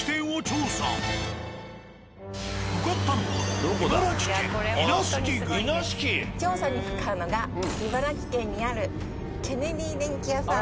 向かったのは調査に向かうのが茨城県にある「ケネディー電気」屋さん。